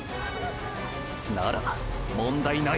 なら問題ない。